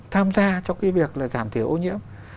tham gia trong cái việc là giảm thiểu ô nhiễm